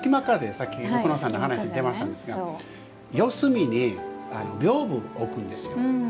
さっき奥野さんの話に出ましたけど四隅にびょうぶを置くんですよ。